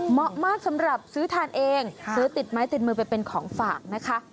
เหมาะมากสำหรับซื้อทานเองซื้อติดไม้ติดมือไปเป็นของฝากนะคะ